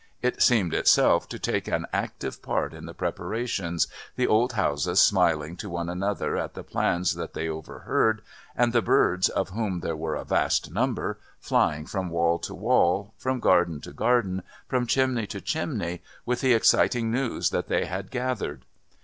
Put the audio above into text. It seemed itself to take an active part in the preparations, the old houses smiling to one another at the plans that they overheard, and the birds, of whom there were a vast number, flying from wall to wall, from garden to garden, from chimney to chimney, with the exciting news that they had gathered.